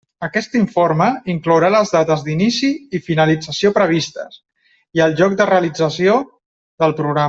Aquest informe inclourà les dates d'inici i finalització previstes i el lloc de realització del programa.